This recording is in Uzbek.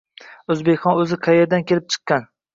O’zbekxon o’zi qaerdan kelib chiqqan?